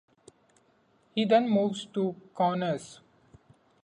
He then moved to Kaunas.